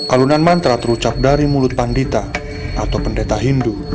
alunan mantra terucap dari mulut pandita atau pendeta hindu